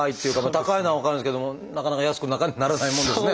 高いのは分かるんですけどもなかなか安くならないものですね。